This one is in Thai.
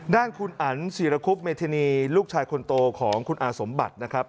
ด้านคุณอันศิรคุบเมธินีลูกชายคนโตของคุณอาสมบัตินะครับ